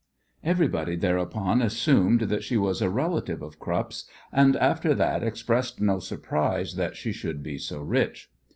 Everybody thereupon assumed that she was a relation of Krupp's, and after that expressed no surprise that she should be so rich.